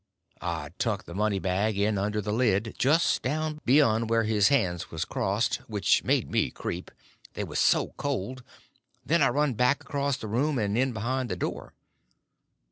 I tucked the money bag in under the lid, just down beyond where his hands was crossed, which made me creep, they was so cold, and then I run back across the room and in behind the door.